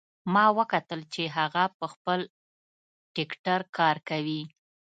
ما وکتل چې هغه په خپل ټکټر کار کوي